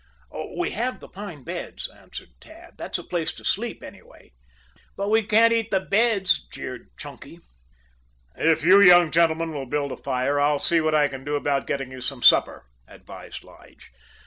"We have the pine beds," answered Tad. "That's a place to sleep, anyway." "But we can't eat the beds," jeered Chunky. "If you young gentlemen will build a fire, I'll see what I can do about getting you some supper," advised Lige.